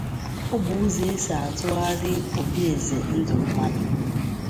Ọ bụ ụzọ esi tụgharia Obi/Eze ndụ mmanụ.